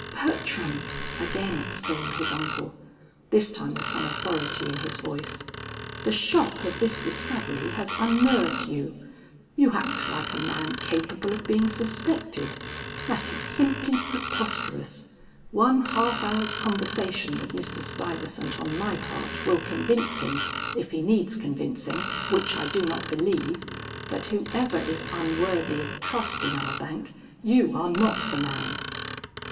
"Bertram!" again exclaimed his uncle, this time with some authority in his voice. "The shock of this discovery has unnerved you. You act like a man capable of being suspected. That is simply preposterous. One half hour's conversation with Mr. Stuyvesant on my part will convince him, if he needs convincing, which I do not believe, that whoever is unworthy of trust in our bank, you are not the man."